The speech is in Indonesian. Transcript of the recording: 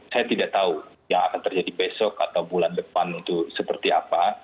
saya tidak tahu yang akan terjadi besok atau bulan depan itu seperti apa